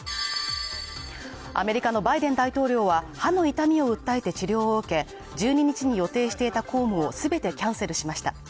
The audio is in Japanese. アメリカのバイデン大統領は歯の痛みを訴えて治療を受け、１２日に予定していた公務を全てキャンセルしました。